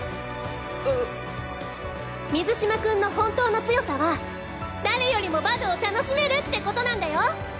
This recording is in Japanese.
水嶋君の本当の強さは誰よりもバドを楽しめるってことなんだよ？